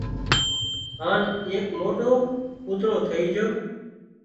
هانَ ايڪ موٽو ڪُوترو ٿئي جھو